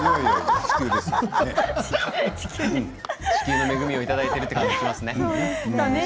地球の恵みをいただいているという感じですね。